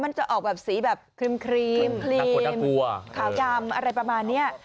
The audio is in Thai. มันจะออกสีแบบครีมภาคกลางขาวดำอะไรประมาณเนี้ย